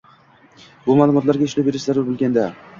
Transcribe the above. bu ma’lumotlarga ishlov berish zarur bo‘lganda